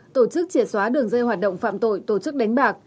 tổ chức trẻ xóa đường dây hoạt động phạm tội tổ chức đánh bạc